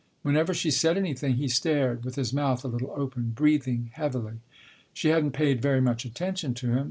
Whenever she said any thing he stared, with his mouth a little open, breathing heavily. She hadn't paid very much attention to him.